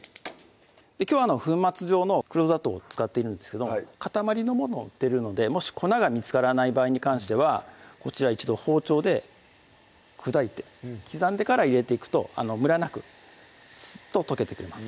きょうは粉末状の黒砂糖を使っているんですけど塊のもの売ってるのでもし粉が見つからない場合に関してはこちら一度包丁で砕いて刻んでから入れていくとむらなくスッと溶けてくれます